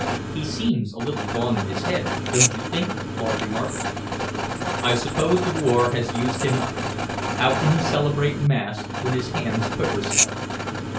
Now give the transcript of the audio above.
"He seems a little gone in the head, don't you think?" Claude remarked. "I suppose the war has used him up. How can he celebrate mass when his hands quiver so?"